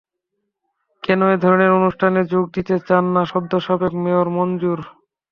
কেন এ ধরনের অনুষ্ঠানে যোগ দিতে চান না সদ্য সাবেক মেয়র মনজুর?